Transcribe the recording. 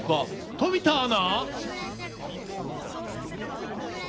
冨田アナ。